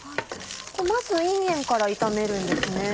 まずいんげんから炒めるんですね。